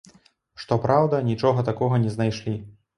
Што праўда, нічога такога не знайшлі.